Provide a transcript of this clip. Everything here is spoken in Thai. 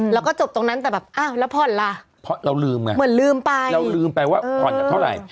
แล้วก็จบตรงนั้นแต่แบบอ้าวแล้วผ่อนล่ะเหมือนลืมไปเราลืมไปว่าผ่อนจะเท่าไหร่